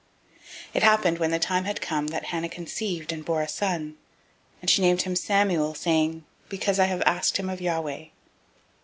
001:020 It happened, when the time was come about, that Hannah conceived, and bore a son; and she named him Samuel, [saying], Because I have asked him of Yahweh.